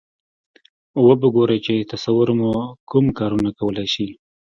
و به ګورئ چې تصور مو کوم کارونه کولای شي.